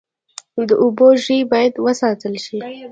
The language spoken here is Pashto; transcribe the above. د اوبو ژوي باید وساتل شي